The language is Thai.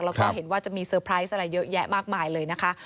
แล้วก็เห็นว่าจะมีเซอร์ไพรส์อะไรเยอะแยะมากมายเลยนะคะ